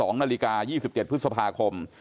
๒นาฬิกา๒๗พฤษภาคม